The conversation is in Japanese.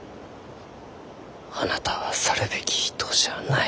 あなたは去るべき人じゃない。